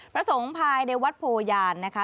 พระสงฆ์ภายในวัดโพยานนะคะ